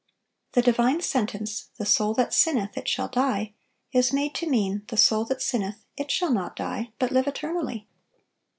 The divine sentence, "The soul that sinneth, it shall die,"(936) is made to mean, The soul that sinneth, it shall not die, but live eternally.